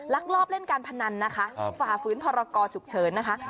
ลักลอบเล่นการพนันนะคะฝ่าฝืนพรกรฉุกเฉินนะคะ